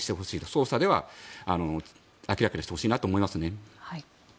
捜査では明らかにしてほしいなと思いますね。